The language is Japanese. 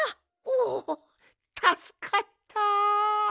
おおたすかった。